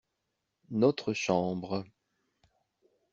Notre chambre.